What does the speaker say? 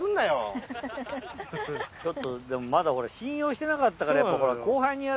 ょっとでもまだほら信用してなかったから。